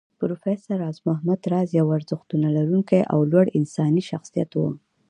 پروفېسر راز محمد راز يو ارزښتونه لرونکی او لوړ انساني شخصيت و